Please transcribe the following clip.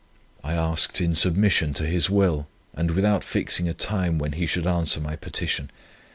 I asked in submission to His will, and without fixing a time when He should answer my petition.